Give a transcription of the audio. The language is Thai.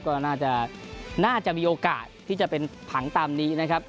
ก็น่าจะมีโอกาสที่จะเป็นผังตามนี้นะครับ